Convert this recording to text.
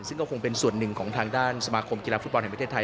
ซึ่งก็คงเป็นส่วนหนึ่งของทางด้านสมาคมกีฬาฟุตบอลแห่งประเทศไทย